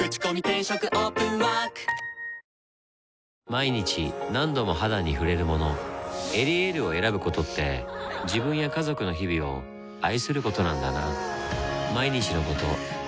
毎日何度も肌に触れるもの「エリエール」を選ぶことって自分や家族の日々を愛することなんだなぁ